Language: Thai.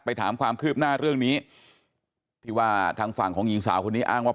ถามความคืบหน้าเรื่องนี้ที่ว่าทางฝั่งของหญิงสาวคนนี้อ้างว่า